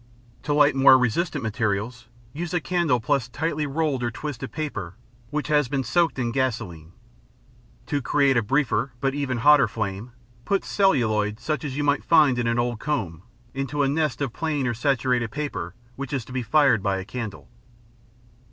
To light more resistant materials, use a candle plus tightly rolled or twisted paper which has been soaked in gasoline. To create a briefer but even hotter flame, put celluloid such as you might find in an old comb, into a nest of plain or saturated paper which is to be fired by a candle.